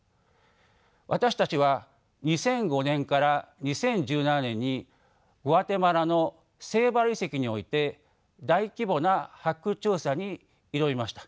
私たちは２００５年から２０１７年にグアテマラのセイバル遺跡において大規模な発掘調査に挑みました。